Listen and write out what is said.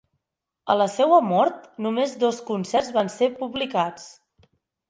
A la seua mort, només dos concerts van ser publicats.